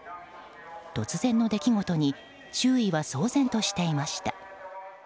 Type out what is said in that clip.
突然の出来事に周囲は騒然としていました。